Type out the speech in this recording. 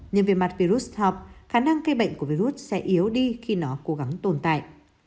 nhưng về mặt virus hop khả năng cây bệnh của virus sẽ yếu đi khi nó cố gắng tồn tại